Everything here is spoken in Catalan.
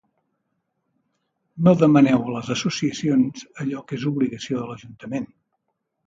No demaneu a les Associacions allò que és obligació de l'Ajuntament.